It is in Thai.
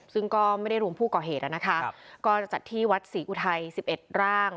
ซึ่งก็ไม่ได้รวมผู้ก่อเหตุนะคะก็จะจัดที่วัดศรีอุทัย๑๑ร่าง